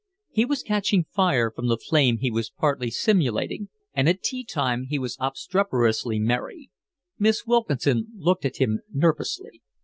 He was catching fire from the flame he was partly simulating, and at tea time he was obstreperously merry. Miss Wilkinson looked at him nervously.